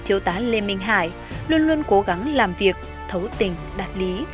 thiếu tá lê minh hải luôn luôn cố gắng làm việc thấu tình đạt lý